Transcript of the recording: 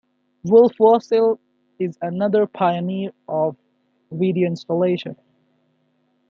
Wolf Vostell is another pioneer of video installation.